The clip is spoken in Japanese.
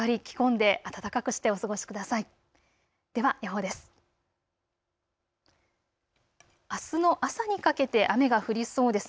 では予報です。